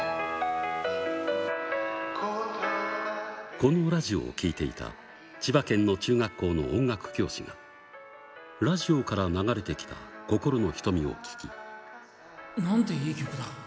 このラジオを聴いていた千葉県の中学校の音楽教師が、ラジオから流れてきた心の瞳を聴き。なんていい曲だ。